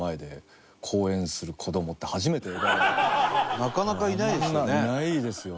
なかなかいないですよね。